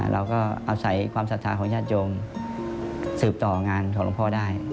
เราก็อาศัยความศรัทธาของญาติโยมสืบต่องานของหลวงพ่อได้